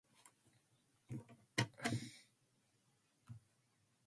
This property is known as chemisorption.